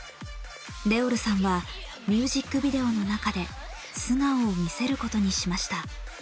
Ｒｅｏｌさんはミュージックビデオの中で素顔を見せることにしました。